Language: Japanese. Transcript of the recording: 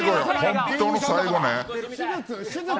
本当の最後ね。